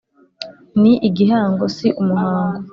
ni igihango si umuhango